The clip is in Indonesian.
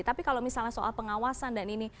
tapi kalau misalnya soal pengawasan dan ini